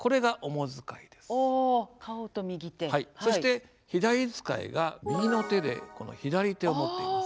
そして左遣いが右の手でこの左手を持っています。